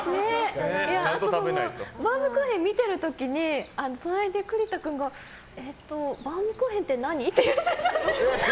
バウムクーヘンを見てる時に隣で栗田君がえっと、バウムクーヘンって何？って言ってて。